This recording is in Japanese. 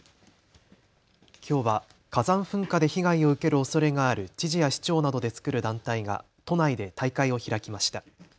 きょうは火山噴火で被害を受けるおそれがある知事や市長などで作る団体が都内で大会を開きました。